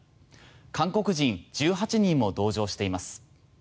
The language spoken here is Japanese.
韓国人１８人も同乗しています。